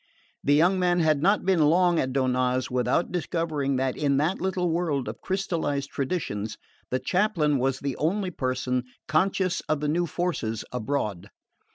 The young man had not been long at Donnaz without discovering that in that little world of crystallised traditions the chaplain was the only person conscious of the new forces abroad.